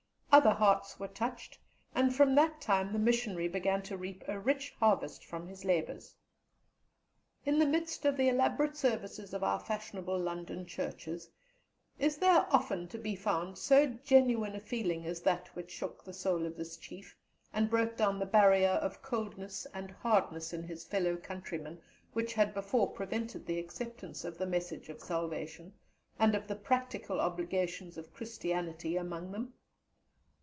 Other hearts were touched, and from that time the Missionary began to reap a rich harvest from his labours. In the midst of the elaborate services of our fashionable London churches is there often to be found so genuine a feeling as that which shook the soul of this Chief, and broke down the barrier of coldness and hardness in his fellow countrymen which had before prevented the acceptance of the message of Salvation and of the practical obligations of Christianity among them?